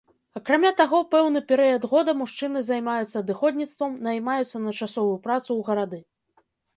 Акрамя таго, пэўны перыяд года мужчыны займаюцца адыходніцтвам, наймаюцца на часовую працу ў гарады.